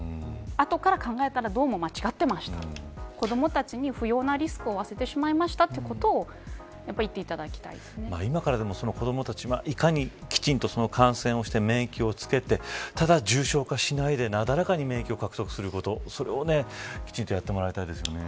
後から考えたらどうも間違ってました子どもたちに不要なリスクを負わせてしまいましたということをやっぱり今からでも子どもたちきちんと感染して、免疫をつけてただ、重症化しないでなだらかに免疫を獲得することそれを、きちんとやってもらいたいですね。